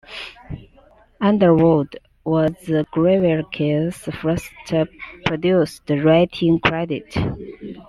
"Underworld" was Grevioux's first produced writing credit.